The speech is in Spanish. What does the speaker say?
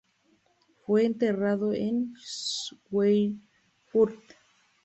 Fue enterrado en Schweinfurt.